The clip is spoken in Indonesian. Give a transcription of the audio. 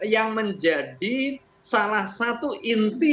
yang menjadi salah satu inti